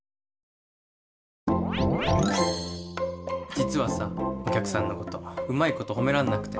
実はさお客さんのことうまいこと褒めらんなくて。